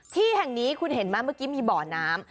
ที่แห่งนี้คุณเห็นไหมเมื่อกี้มีบ่อน้ำ